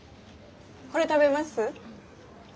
これ食べます？